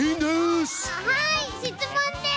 はいしつもんです。